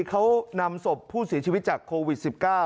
เขานำศพผู้เสียชีวิตจากโควิด๑๙